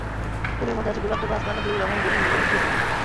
ফুলের মধ্যে আছে গোলাপ, জবা, হাসনাহেনা, জুঁই, রঙ্গন, বেলি, মল্লিকা প্রভৃতি।